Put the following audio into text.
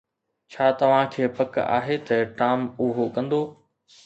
ڇا توهان کي پڪ آهي ته ٽام اهو ڪندو؟